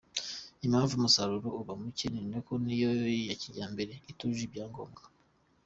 Impamvu umusaruro uba muke ni uko n’iyo ya kijyambere, itujuje ibyangombwa.